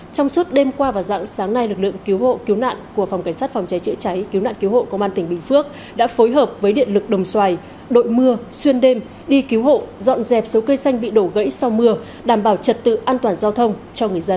trong suốt đêm qua và dạng sáng nay lực lượng cứu hộ cứu nạn của phòng cảnh sát phòng cháy chữa cháy cứu nạn cứu hộ công an tỉnh bình phước đã phối hợp với điện lực đồng xoài đội mưa xuyên đêm đi cứu hộ dọn dẹp số cây xanh bị đổ gãy sau mưa đảm bảo trật tự an toàn giao thông cho người dân